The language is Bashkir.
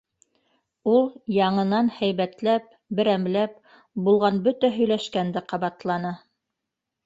Ул яңынан һәйбәтләп, берәмләп, булған бөтә һөйләшкәнде ҡабатланы.